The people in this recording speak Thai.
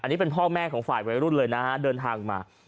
อันนี้เป็นพ่อแม่ของฝ่ายวัยรุ่นเลยนะฮะเดินทางมา